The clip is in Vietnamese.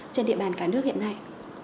trên địa bàn cả nước hiện nay